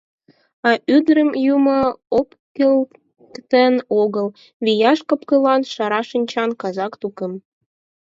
А ӱдырым юмо ӧпкелыктен огыл: вияш капкылан, шара шинчан, казак тукым.